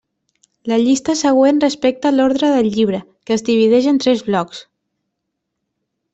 La llista següent respecta l'ordre del llibre, que es divideix en tres blocs.